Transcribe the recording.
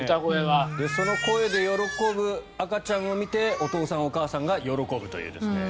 その声で喜ぶ赤ちゃんを見てお父さん、お母さんが喜ぶというね。